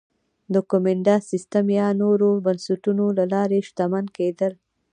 د کومېنډا سیستم یا نورو بنسټونو له لارې شتمن کېدل